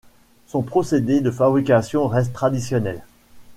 Son procédé de fabrication reste traditionnel.